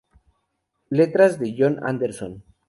Letras de Jon Anderson.